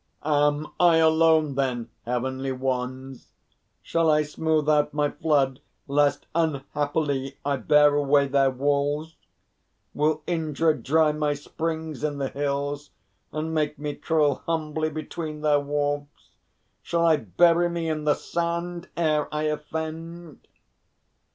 "Am I alone, then, Heavenly Ones? Shall I smooth out my flood lest unhappily I bear away their walls? Will Indra dry my springs in the hills and make me crawl humbly between their wharfs? Shall I bury me in the sand ere I offend?"